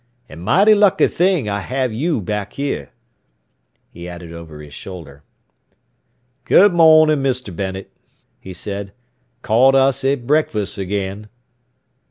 "And mighty lucky thing I have you back here," he added over his shoulder. "Good morning, Mr. Bennet," he said. "Caught us at breakfast again."